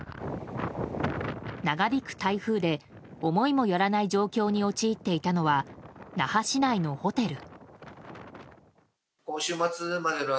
長引く台風で思いもよらない状況に陥っていたのは那覇市内のホテル。